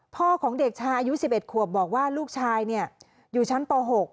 พ่อของเด็กชายูสิบเอ็ดขวบบอกว่าลูกชายเนี่ยอยู่ชั้นป่าหก